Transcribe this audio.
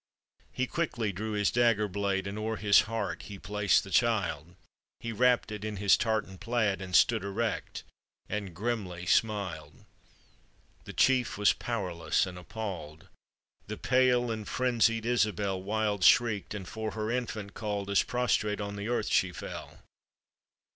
He quickly drew his dagger blade, And o'er his heart he placed the child; He wrapped it in his tartan plaid, And stood erect, and grimly smiled. The chief was powerless and appall'd, The pale and frenzied Isabel Wild shrieked, and for her infant called, As prostrate on the earth she fell.